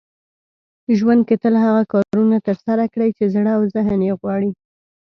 ژوند کې تل هغه کارونه ترسره کړئ چې زړه او ذهن يې غواړي .